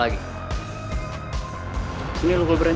yes akhir rencana gue berhasil